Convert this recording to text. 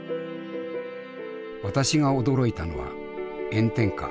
私が驚いたのは炎天下